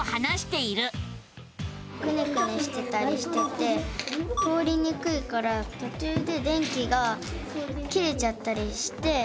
くねくねしてたりしてて通りにくいからとちゅうで電気が切れちゃったりして。